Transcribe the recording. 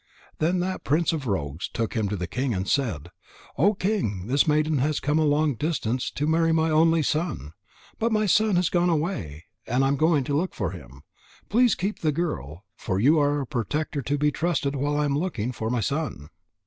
Then that prince of rogues took him to the king and said: "O King, this maiden has come a long distance to marry my only son. But my son has gone away, and I am going to look for him. Please keep the girl. For you are a protector to be trusted while I am looking for my son."